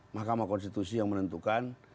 mahkamah konstitusi yang menentukan